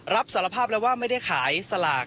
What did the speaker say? รับสารภาพแล้วว่าไม่ได้ขายสลาก